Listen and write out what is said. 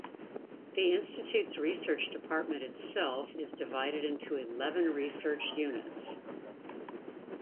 The institute's research department itself is subdivided into eleven research units.